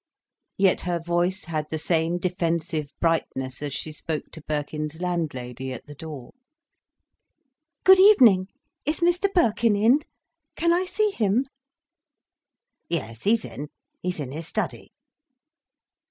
Yet her voice had the same defensive brightness as she spoke to Birkin's landlady at the door. "Good evening! Is Mr Birkin in? Can I see him?" "Yes, he's in. He's in his study."